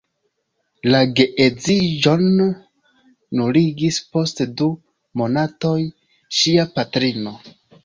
La geedziĝon nuligis post du monatoj ŝia patrino.